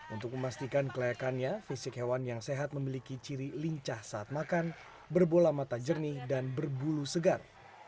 untuk memastikan kelayakannya fisik hewan yang sehat memiliki ciri lincah saat makan berbola mata jernih dan berbulu segar